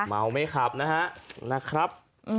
เมาไม่ขับนะครับ